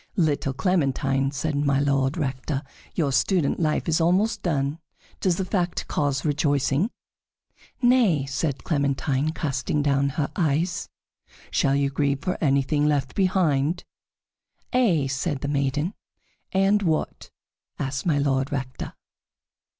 "Little Clementine," said My Lord Rector, "your student life is almost done. Does that fact cause rejoicing?" "Nay," said Clementine, casting down her eyes. "Shall you grieve for anything left behind?" "Ay," said the maiden. "And what?" asked My Lord Rector.